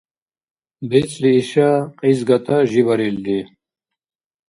БецӀли иша кьиз гата жибарилри.